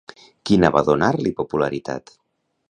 Quina va donar-li popularitat?